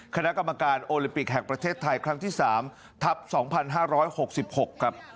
คณะกรรมการโอลิมปิกแห่งประเทศไทยครั้งที่๓ทัพ๒๕๖๖ครับ